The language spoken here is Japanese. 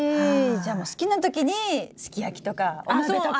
じゃあもう好きな時にすき焼きとかお鍋とか。